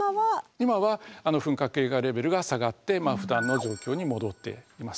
今は噴火警戒レベルが下がってふだんの状況に戻っています。